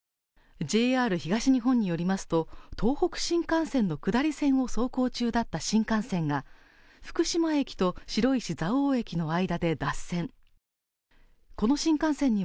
ＪＲ東日本によりますと、東北新幹線の下り線を走行中だった新幹線が福島駅と白石蔵王駅の間で脱線。